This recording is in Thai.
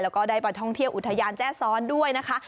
แล้วก็ได้ไปท่องเที่ยวอุทยานแจ้ซ้อนด้วยนะคะ